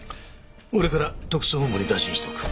俺から特捜本部に打診しておく。